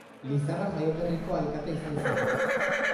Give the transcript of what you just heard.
Lizarra jaioterriko alkate izan zen.